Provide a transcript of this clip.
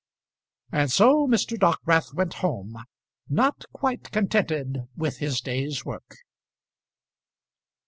And so Mr. Dockwrath went home, not quite contented with his day's work.